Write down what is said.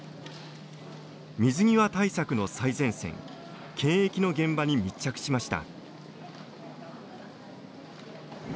水際対策の最前線検疫の現場に密着しました。